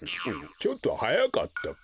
ちょっとはやかったか。